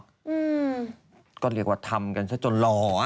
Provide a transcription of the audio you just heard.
อืมก็เรียกว่าทำกันซะจนหล่อ